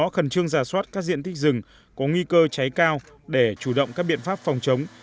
khẩn trương giả soát các diện tích rừng có nguy cơ cháy cao để chủ động các biện pháp phòng chống